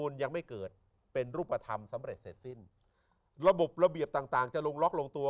สรุปธรรมสำเร็จเสร็จสิ้นระบบระเบียบต่างจะลงล็อกลงตัว